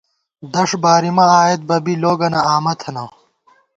دݭ بارِیمہ آئیت بہ بی لوگَنہ آمہ تھنہ